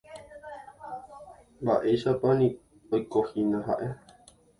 Mba'éichapa oikohína ha'e.